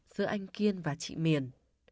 giữa anh kiên và chị miền